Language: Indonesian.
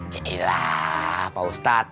cekilah pak ustadz